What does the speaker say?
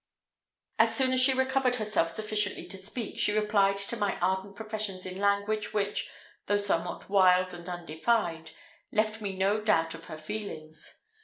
As soon as she recovered herself sufficiently to speak, she replied to my ardent professions in language which, though somewhat wild and undefined, left me no doubt of her feelings.